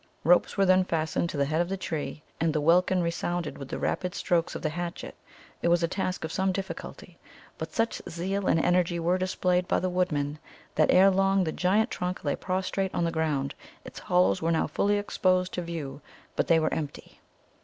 Ropes were then fastened to the head of the tree, and the welkin resounded with the rapid strokes of the hatchets. It was a task of some difficulty, but such zeal and energy were displayed by the woodmen that ere long the giant trunk lay prostrate on the ground. Its hollows were now fully exposed to view, but they were empty.